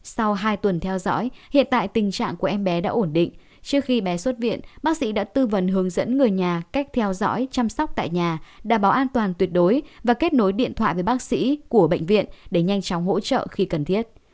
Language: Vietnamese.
sau hai tuần theo dõi hiện tại tình trạng của em bé đã ổn định trước khi bé xuất viện bác sĩ đã tư vấn hướng dẫn người nhà cách theo dõi chăm sóc tại nhà đảm bảo an toàn tuyệt đối và kết nối điện thoại với bác sĩ của bệnh viện để nhanh chóng hỗ trợ khi cần thiết